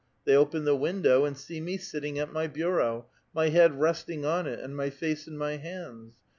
They open the window, and see me sitting at my bureau, my head resting on it, and my face in my hands.